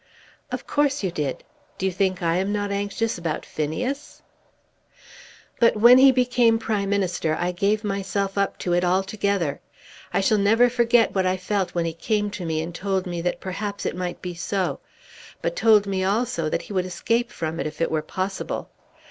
"Of course you did. Do you think I am not anxious about Phineas?" "But when he became Prime Minister, I gave myself up to it altogether. I shall never forget what I felt when he came to me and told me that perhaps it might be so; but told me also that he would escape from it if it were possible.